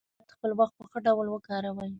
تاسو باید خپل وخت په ښه ډول وکاروئ